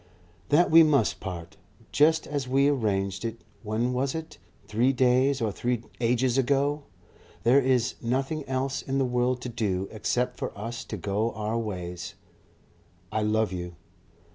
"That we must part. Just as we arranged it when was it? Three days or three ages ago? There is nothing else in the world to do except for us to go our ways.... I love you.